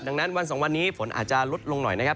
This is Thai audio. ดังนั้นวัน๒วันนี้ฝนอาจจะลดลงหน่อยนะครับ